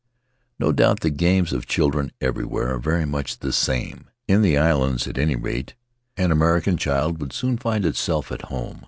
No doubt the games of children everywhere are very much the same; in the islands, at any rate, an American child would soon find itself at home.